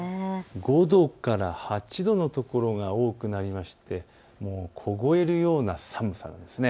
５度から８度の所が多くなって凍えるような寒さなんです。